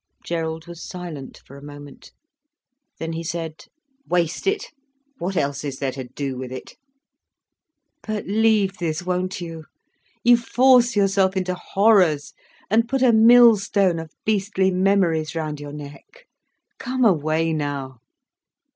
Gerald was silent for a moment. Then he said: "Waste it? What else is there to do with it?" "But leave this, won't you? You force yourself into horrors, and put a mill stone of beastly memories round your neck. Come away now."